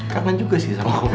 keren juga sih sama ngomelan kamu